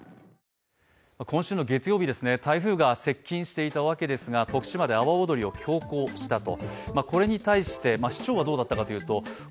今週の月曜日、台風が接近していたわけですが、徳島で阿波おどりを強行したと。